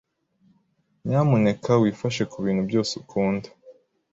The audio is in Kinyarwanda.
Nyamuneka wifashe kubintu byose ukunda.